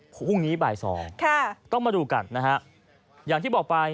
พรุ่งนี้บ่าย๒ต้องมาดูกันนะครับอย่างที่บอกไป